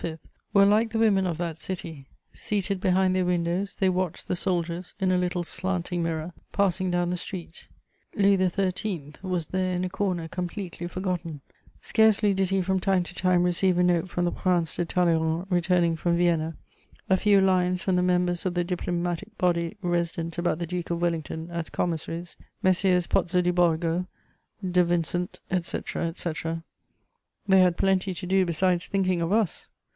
were like the women of that city: seated behind their windows, they watch the soldiers, in a little slanting mirror, passing down the street. Louis XVIII. was there in a corner, completely forgotten: scarcely did he from time to time receive a note from the Prince de Talleyrand returning from Vienna, a few lines from the members of the diplomatic body resident about the Duke of Wellington as commissaries, Messieurs Pozzo di Borgo, de Vincent, etc., etc. They had plenty to do besides thinking of us!